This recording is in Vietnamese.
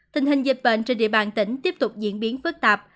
tình hình dịch bệnh trên địa bàn tỉnh tiếp tục diễn biến phức tạp